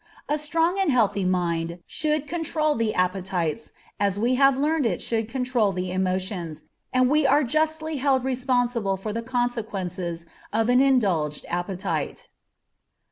A strong and healthy mind should control the appetites, as we have learned it should control the emotions, and we are justly held responsible for the consequences of an indulged appetite.